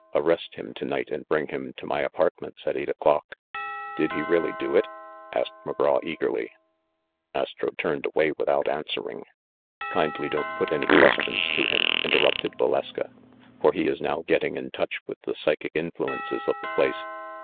"Arrest him to night and bring him to my apartments at eight o'clock." "Did he really do it?" asked McGraw eagerly. Astro turned away without answering. "Kindly don't put any questions to him," interrupted Valeska ; "for he is now getting in touch with the psy chic influences of the place."